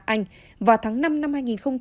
anh vào tháng năm năm hai nghìn một mươi bảy